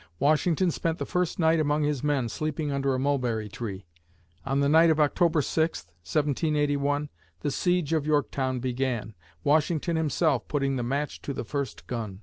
Washington spent the first night among his men sleeping under a mulberry tree. On the night of October 6th (1781), the siege of Yorktown began, Washington himself putting the match to the first gun.